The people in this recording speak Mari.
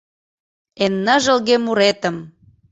Эн ныжылге муретым